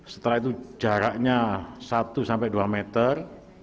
setelah itu jaraknya satu sampai dua meter